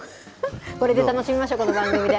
これで楽しみましょう、この番組で。